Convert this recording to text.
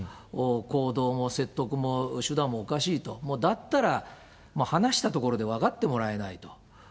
行動も説得も、手段もおかしいと、だったら、話したところで分かってもらえないと。